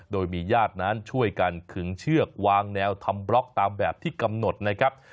โดยมีญาตินั้นช่วยกันขึงเชือกวางแนวทำบล็อกตามแบบที่กำหนดนะครับ